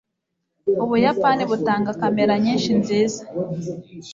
Ubuyapani butanga kamera nyinshi nziza